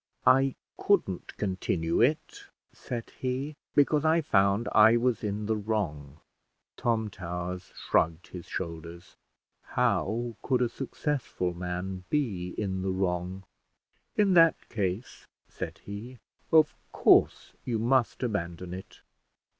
"I couldn't continue it," said he, "because I found I was in the wrong." Tom Towers shrugged his shoulders. How could a successful man be in the wrong! "In that case," said he, "of course you must abandon it."